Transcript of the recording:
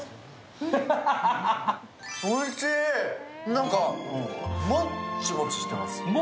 なんかもっちもちしてます。